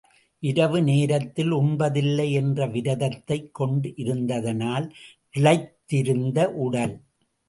இரவு நேரத்தில் உண்பதில்லை என்ற விரதத்தைக் கொண்டிருந்ததனால், இளைத்திருந்த உடல்!